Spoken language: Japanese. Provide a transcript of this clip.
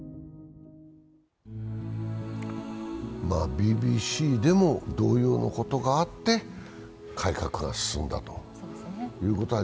ＢＢＣでも同様のことがあって改革が進んだということは、